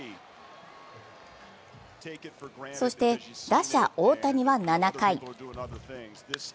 そして打者・大谷は７回。